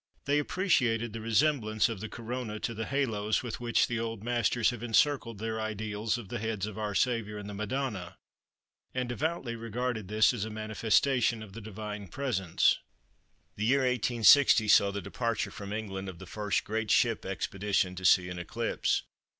They appreciated the resemblance of the Corona to the halos with which the old masters have encircled their ideals of the heads of our Saviour and the Madonna, and devoutly regarded this as a manifestation of the Divine Presence." The year 1860 saw the departure from England of the first great Ship Expedition to see an eclipse.